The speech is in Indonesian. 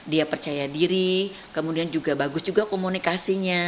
dia percaya diri kemudian juga bagus juga komunikasinya